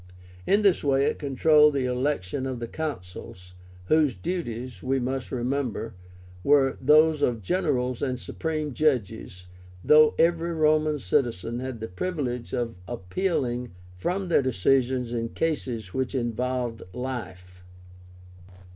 In this way it controlled the election of the Consuls, whose duties, we must remember, were those of generals and supreme judges, though every Roman citizen had the privilege of appealing from their decision in cases which involved life.